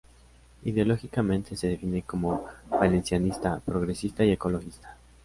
Ideológicamente se define como valencianista, progresista y ecologista.